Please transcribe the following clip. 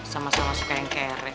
sama sama suka yang kerek